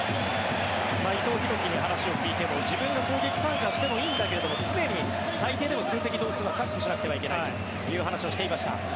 伊藤洋輝に話を聞いても自分が攻撃参加してもいいんだけれども常に、最低でも数的同数は確保しなくてはいけないという話をしていました。